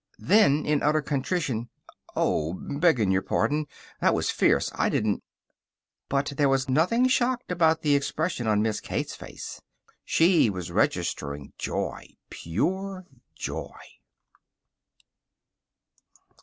Then in utter contrition: "Oh, beggin' your pardon! That was fierce! I didn't " But there was nothing shocked about the expression on Miss Kate's face. She was registering joy pure joy.